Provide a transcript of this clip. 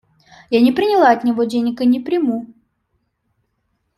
Я не приняла от него денег, и не приму.